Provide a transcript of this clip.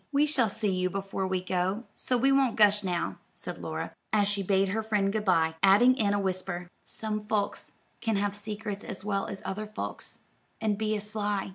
"We shall see you before we go, so we won't gush now," said Laura, as she bade her friend good by, adding in a whisper, "Some folks can have secrets as well as other folks, and be as sly.